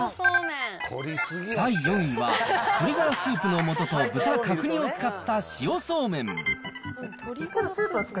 第４位は、鶏がらスープのもとと豚角煮を使った塩そうめん。